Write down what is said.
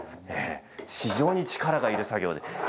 非常に力がいる作業です。